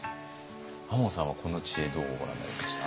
亞門さんはこの知恵どうご覧になりました？